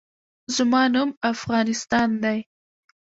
زما نوم افغانستان دی